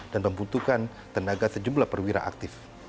dan membutuhkan tenaga sejumlah perwira aktif